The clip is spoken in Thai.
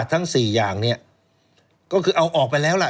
ทั้งสี่อย่างเนี่ยก็คือเอาออกไปแล้วล่ะ